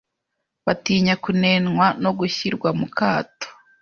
batinya kunenwa no gushyirwa mu kato